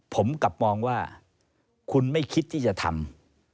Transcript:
ผมกลับมองว่าคุณไม่คิดที่จะทำ